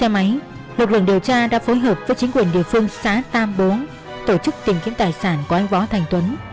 một lần điều tra đã phối hợp với chính quyền địa phương xã tam bốn tổ chức tìm kiếm tài sản của anh võ thành tuấn